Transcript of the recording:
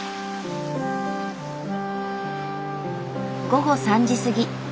午後３時過ぎ。